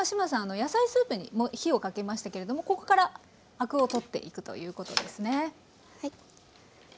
野菜スープに火をかけましたけれどもここからアクを取っていくということですね。